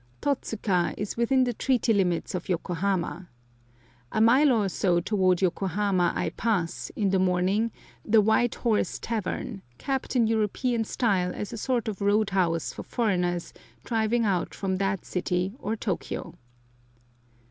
Totsuka is within the treaty limits of Yokohama. A mile or so toward Yokohama I pass, in the morning, the "White Horse Tavern," kept in European style as a sort of road house for foreigners driving out from that city or Tokio.